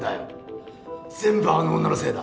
全部あの女のせいだ。